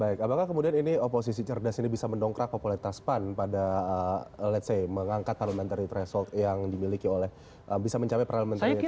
baik apakah kemudian ini oposisi cerdas ini bisa mendongkrak populitas pan pada let's say mengangkat parliamentary threshold yang dimiliki oleh bisa mencapai parliamentary threshold yang